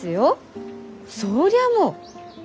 そりゃあもう！